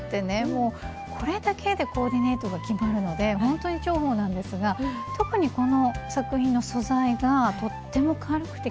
もうこれだけでコーディネートが決まるのでほんとに重宝なんですが特にこの作品の素材がとっても軽くて着心地がいいんですよね。